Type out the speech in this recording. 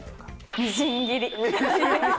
みじん切り。